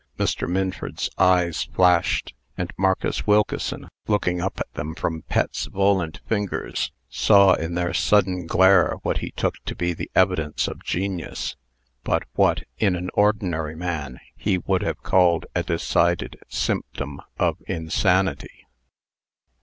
Mr. Minford's eyes flashed; and Marcus Wilkeson, looking up at them from Pet's volant fingers, saw in their sudden glare what he took to be the evidence of genius; but what, in an ordinary man, he would have called a decided symptom of insanity.